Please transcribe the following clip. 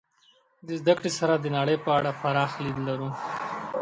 د زدهکړې سره د نړۍ په اړه پراخ لید لرو.